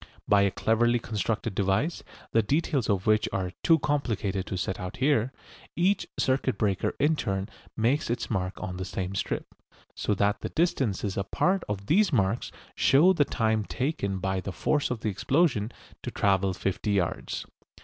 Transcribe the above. By a cleverly constructed device, the details of which are too complicated to set out here, each circuit breaker in turn makes its mark on the same strip, so that the distances apart of these marks show the time taken by the force of the explosion to travel fifty yards.